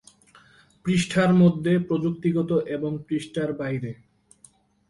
পৃষ্ঠার মধ্যে, প্রযুক্তিগত এবং পৃষ্ঠার বাইরে।